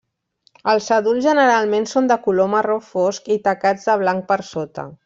Els adults generalment són de color marró fosc i tacats de blanc per sota.